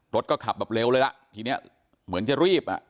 รถก็ขับแบบเร็วเลยล่ะทีนี้เหมือนจะรีบอ่ะ